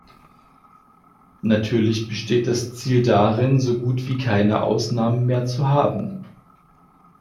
Natürlich besteht das Ziel darin, so gut wie keine Ausnahmen mehr zu haben.